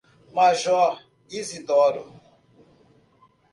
Major Izidoro